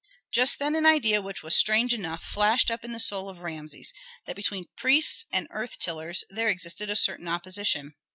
Just then an idea which was strange enough flashed up in the soul of Rameses, that between priests and earth tillers there existed a certain opposition.